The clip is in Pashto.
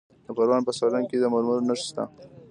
د پروان په سالنګ کې د مرمرو نښې شته.